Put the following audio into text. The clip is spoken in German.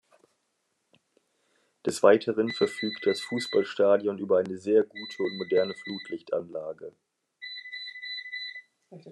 Des Weiteren verfügt das Fußballstadion über eine sehr gute und moderne Flutlichtanlage.